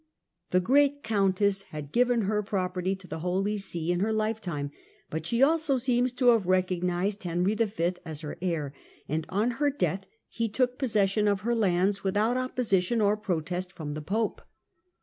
The great Countess had given her property to the Holy See in her lifetime, but she also seems to have recognized Henry V. as her heir, and on her death he took possession of her lands without opposition or protest from the Pope.